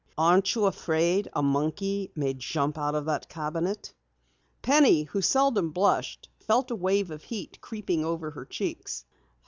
"Aren't you afraid a monkey may jump out of that cabinet?" Penny, who seldom blushed, felt a wave of heat creeping over her cheeks.